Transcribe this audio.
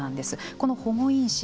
この保護因子。